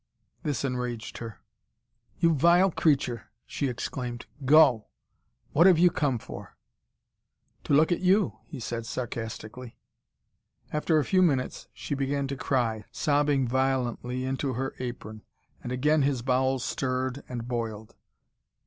This enraged her. "You vile creature!" she exclaimed. "Go! What have you come for?" "To look at YOU," he said sarcastically. After a few minutes she began to cry, sobbing violently into her apron. And again his bowels stirred and boiled.